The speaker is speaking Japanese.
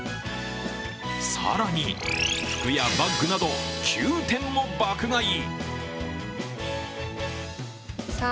更に、服やバッグなど９点も爆買い。